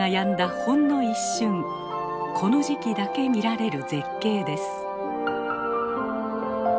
ほんの一瞬この時期だけ見られる絶景です。